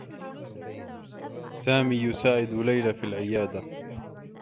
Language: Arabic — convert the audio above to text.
سامي يساعد ليلى في العيادة.